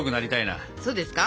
そうですか？